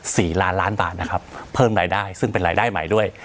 สี่ล้านล้านบาทนะครับเพิ่มรายได้ซึ่งเป็นรายได้ใหม่ด้วย